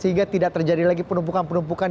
sehingga tidak terjadi lagi penumpukan penumpukan